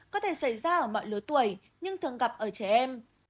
có thể xảy ra ở mọi lứa tuổi nhưng thường gặp ở trẻ em